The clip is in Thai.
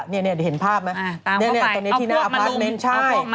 นี่เห็นภาพไหมนี่ตรงนี้ที่หน้าเอาพวกมาลุม